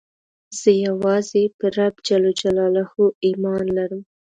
زه یوازي په رب ﷻ ایمان لرم.